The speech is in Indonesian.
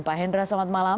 pak hendra selamat malam